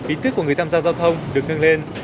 ý thức của người tham gia giao thông được nâng lên